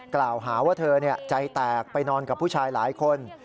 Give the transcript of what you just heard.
กล่าวหาว่าเธอใจแตกไปนอนกับผู้ชายหลายคน